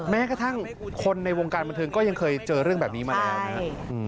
แม้กระทั่งคนในวงการบันเทิงก็ยังเคยเจอเรื่องแบบนี้มาแล้วนะครับ